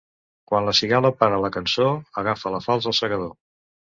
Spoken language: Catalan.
Quan la cigala para la cançó, agafa la falç el segador.